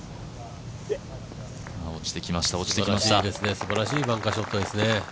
すばらしいバンカーショットですね。